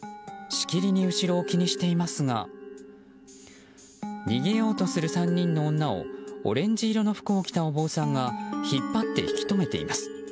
しきりに後ろを気にしていますが逃げようとする３人の女をオレンジ色の服を着たお坊さんが引っ張って引き止めています。